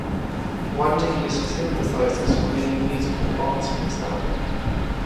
Wonder used synthesizers for many musical parts on this album.